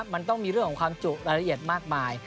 มันต้องมีเรื่องของความจุรายละเอียดมากมาย